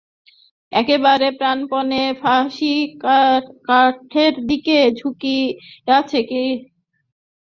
একেবারে প্রাণপণে ফাঁসিকাষ্ঠের দিকে ঝুঁকিয়াছে, কিছুতেই তাহাকে টানিয়া রাখা যায় না।